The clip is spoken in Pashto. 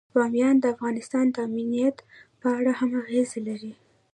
بامیان د افغانستان د امنیت په اړه هم اغېز لري.